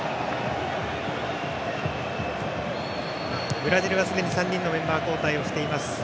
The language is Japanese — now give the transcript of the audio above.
ブラジルはすでに３人のメンバー交代をしています。